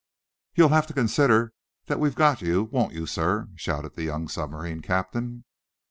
"You'll have to consider that we got you, won't you, sir?" shouted the young submarine captain.